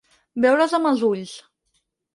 Beure's amb els ulls.